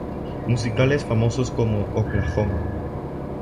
Musicales famosos como "Oklahoma!